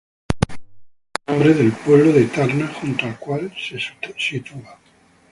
Toma su nombre del pueblo de Tarna junto al cual se sitúa.